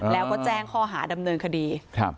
แล้วก็แจ้งข้อหาดำเนินคดี